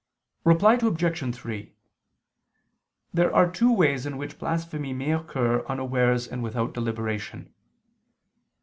Reply Obj. 3: There are two ways in which blasphemy may occur unawares and without deliberation.